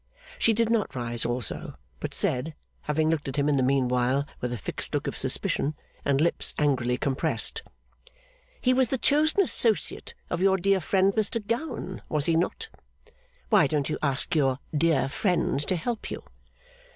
She did not rise also, but said, having looked at him in the meanwhile with a fixed look of suspicion, and lips angrily compressed: 'He was the chosen associate of your dear friend, Mr Gowan, was he not? Why don't you ask your dear friend to help you?